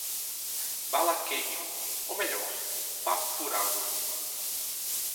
Balaqueiro, ou melhor, papo-furado